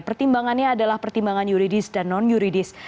pertimbangannya adalah pertimbangan yuridis dan non yuridis